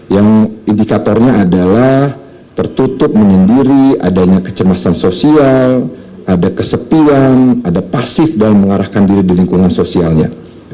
yang indikatornya adalah tertutup menyendiri adanya kecemasan sosial ada kesepian ada pasif dalam mengarahkan diri di lingkungan sosialnya